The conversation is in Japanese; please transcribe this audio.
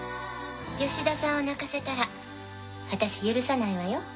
吉田さんを泣かせたら私許さないわよ。